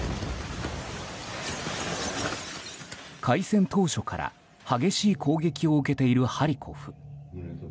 開戦当初から激しい攻撃を受けているハリコフ。